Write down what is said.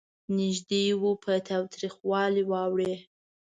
نږدې وه په تاوتریخوالي واوړي.